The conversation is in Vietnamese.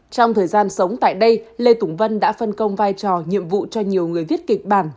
trong thời gian sống tại đây lê tùng vân đã phân công vai trò nhiệm vụ cho nhiều người viết kịch bản